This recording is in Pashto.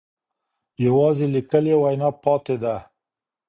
یوازې لیکلې وینا پاتې ده.